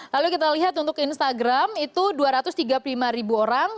lalu kita lihat untuk instagram itu dua ratus tiga puluh lima ribu orang